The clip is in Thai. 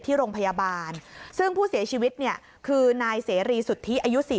ที่โรงพยาบาลซึ่งผู้เสียชีวิตเนี่ยคือนายเสรีสุทธิอายุ๔๐